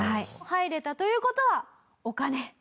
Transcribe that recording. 入れたという事はお金。